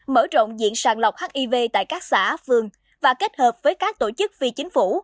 mở rộng diện sàng lọc hiv tại các xã phường và kết hợp với các tổ chức phi chính phủ